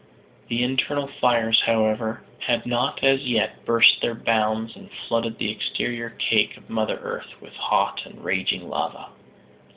The internal fires, however, had not as yet burst their bounds and flooded the exterior cake of Mother Earth with hot and raging lava.